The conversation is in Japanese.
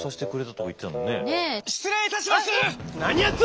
・失礼いたします！何やつ！